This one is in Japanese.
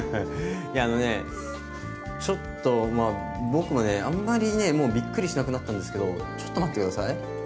いやあのねちょっとまあ僕もねあんまりねもうびっくりしなくなったんですけどちょっと待って下さい。